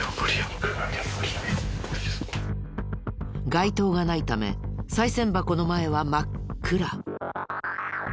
街灯がないためさい銭箱の前は真っ暗。